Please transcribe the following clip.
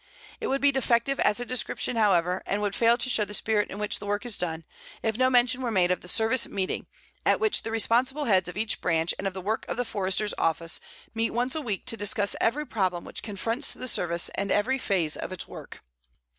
It would be defective as a description, however, and would fail to show the spirit in which the work is done, if no mention were made of the Service Meeting, at which the responsible heads of each branch and of the work of the Forester's office meet once a week to discuss every problem which confronts the Service and every phase of its work.